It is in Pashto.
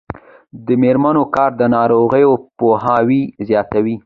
د میرمنو کار د ناروغیو پوهاوی زیاتوي.